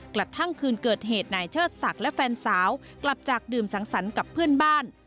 กระทั่งคืนเกิดเหตุนายเชิดศักดิ์และแฟนสาวกลับจากดื่มสังสรรค์กับเพื่อนบ้าน